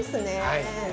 はい。